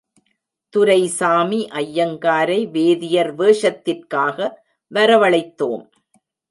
துரைசாமி ஐயங்காரை, வேதியர் வேஷத்திற்காக வரவழைத்தோம்.